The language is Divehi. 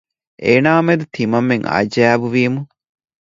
އޭނާއާމެދު ތިމަންމެން އަޖައިބު ވީމު